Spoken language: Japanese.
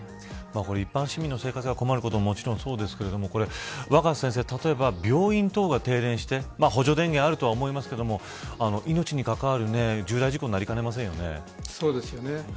一般市民の生活が困ることももちろんですが若狭先生、例えば病院などが停電して、補助電源はあると思いますが命に関わる重大事故にそうですね。